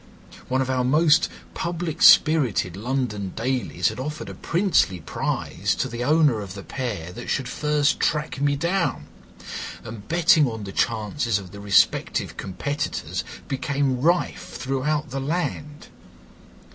One of our most public spirited London dailies had offered a princely prize to the owner of the pair that should first track me down, and betting on the chances of the respective competitors became rife throughout the land.